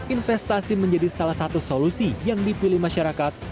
investasi menjadi salah satu solusi yang dipilih masyarakat